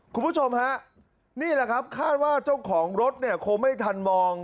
คุณผู้ชมฮะนี่แหละครับคาดว่าเจ้าของรถเนี่ยคงไม่ทันมอง